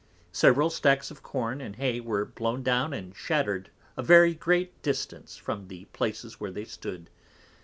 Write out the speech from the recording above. Several Stacks of Corn and Hay were blown down and shattered a very great distance from the places where they stood.